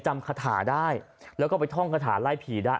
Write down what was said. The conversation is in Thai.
คาถาได้แล้วก็ไปท่องคาถาไล่ผีได้